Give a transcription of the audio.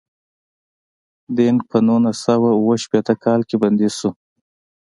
دینګ په نولس سوه اووه شپیته کال کې بندي شو.